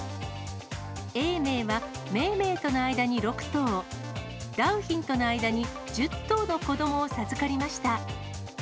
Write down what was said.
永明は梅梅との間に６頭、良浜との間に１０頭の子どもを授かりました。